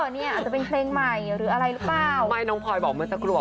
นี่อาจจะเป็นเพลงใหม่หรืออะไรหรือเปล่า